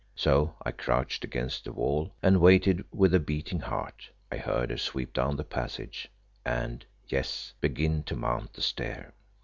So I crouched against the wall, and waited with a beating heart. I heard her sweep down the passage, and yes begin to mount the stair.